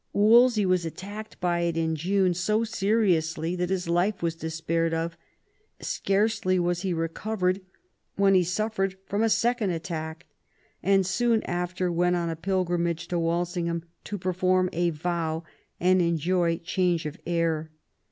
Wolsey was attacked by it in June so seriously that his life was despaired of; scarcely was he recovered when he suffered from a second attack, and soon after went on a pilgrimage to Walsingham to perform a vow and enjoy change of air.